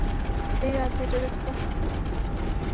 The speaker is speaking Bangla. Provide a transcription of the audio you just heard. এই রাজ, এটা দেখ তো।